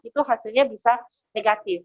itu hasilnya bisa negatif